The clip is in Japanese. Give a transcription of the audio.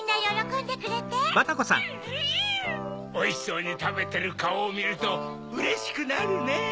おいしそうにたべてるカオをみるとうれしくなるねぇ。